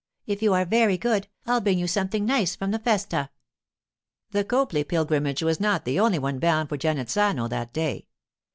'If you are very good, I'll bring you something nice from the festa.' The Copley pilgrimage was not the only one bound for Genazzano that day.